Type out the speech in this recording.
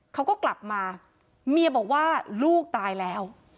เขาก็กลับมาเมียบอกว่าลูกตายแล้ว